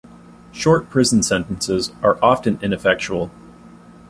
Short prison sentences are often ineffectual.